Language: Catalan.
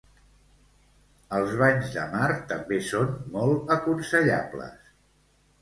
Els banys de mar també són molt aconsellables.